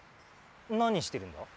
なにしてるんだ？